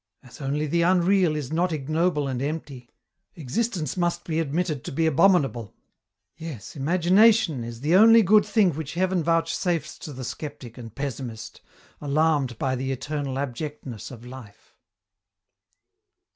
As only the unreal is not ignoble and empty, existence must be admitted to be abominable. Yes, imagination is the only good thing which heaven vouchsafes to the skeptic and pessimist, alarmed by the eternal abjectness of life."